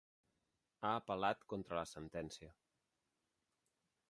Ha apel·lat contra la sentència.